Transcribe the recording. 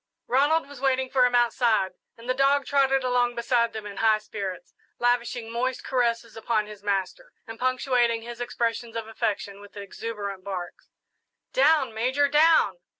Ronald was waiting for him outside, and the dog trotted along beside them in high spirits, lavishing moist caresses upon his master, and punctuating his expressions of affection with exuberant barks. "Down, Major, down!"